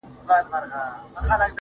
لمر چي د ميني زوال ووهي ويده سمه زه,